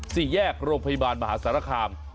สี่แยกโรงพยาบาลมหาสารคาม